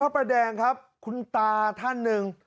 ประแดงครับคุณตาท่านหนึ่ง